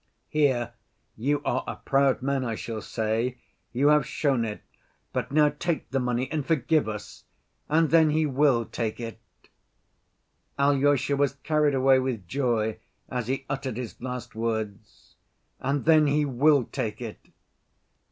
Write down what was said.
'Here, you are a proud man,' I shall say: 'you have shown it; but now take the money and forgive us!' And then he will take it!" Alyosha was carried away with joy as he uttered his last words, "And then he will take it!"